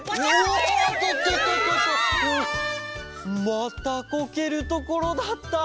またこけるところだった。